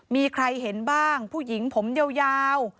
มีใครเห็นบ้างผู้หญิงผมยาว